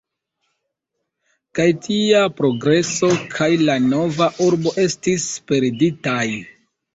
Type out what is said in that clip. Kaj tia progreso kaj la nova urbo estis perditaj.